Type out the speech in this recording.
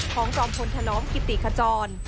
ของจอมพลทนองกิตติขาจอน